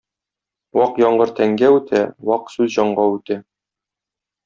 Вак яңгыр тәнгә үтә, вак сүз — җанга үтә.